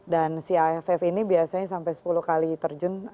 dan si aff ini biasanya sampai sepuluh kali terjun